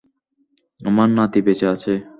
আমার নাতি বেঁচে আছে।